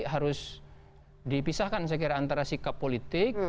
harus dipisahkan sekiranya antara sikap politik